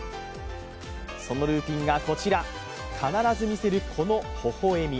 そのルーチンがこちら、必ず見せるこのほほ笑み。